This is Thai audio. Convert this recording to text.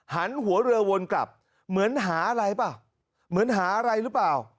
หันหัวเรือวนกลับเหมือนหาอะไรหรือเปล่า